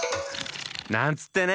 なんつってね！